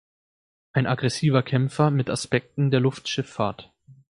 Ein aggressiver Kämpfer mit Aspekten der Luftschifffahrt.